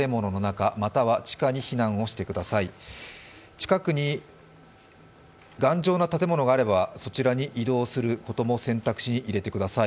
近くに頑丈な建物があれば、そちらに移動することも選択肢に入れてください。